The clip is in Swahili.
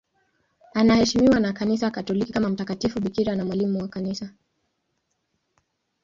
Anaheshimiwa na Kanisa Katoliki kama mtakatifu bikira na mwalimu wa Kanisa.